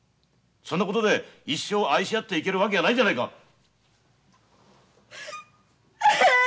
そんなことで一生愛し合っていけるわけがないじゃないか。